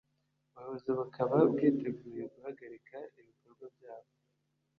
ubuyobozi bukaba bwiteguye guhagarika ibikorwa byabo